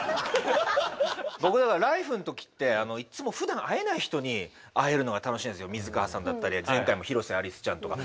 僕だから「ＬＩＦＥ！」のときっていつもふだん会えない人に会えるのが楽しいんですよ水川さんだったり前回も広瀬アリスちゃんとか。